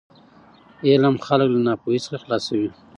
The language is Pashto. علم خلک له ناپوهي څخه خلاصوي.